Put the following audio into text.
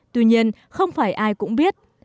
tuy nhiên không phải ai cũng biết